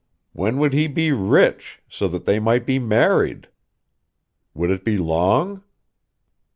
When would he be rich, so that they might be married? Would it be long?...